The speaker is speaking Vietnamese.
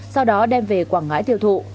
sau đó đem về quảng ngãi thiêu thụ